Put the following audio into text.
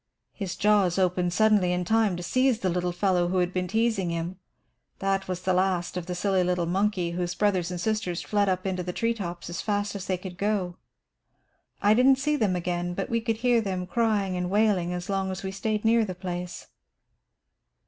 His jaws opened suddenly in time to seize the little fellow who had been teasing him. That was the last of the silly little monkey, whose brothers and sisters fled up into the tree tops as fast as they could go. I didn't see them again, but we could hear them crying and wailing as long as we stayed near the place."